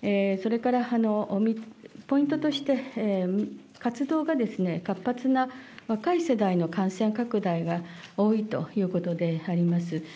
それからポイントとして、活動が活発な若い世代の感染拡大が多いということであります。